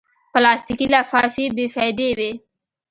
پلاستيکي لفافې بېفایدې وي.